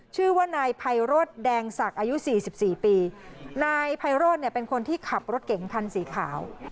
ชื่อว่านายไพโรดแดงศักดิ์อายุสี่สิบสี่ปีนายไพโรธเนี่ยเป็นคนที่ขับรถเก๋งคันสีขาว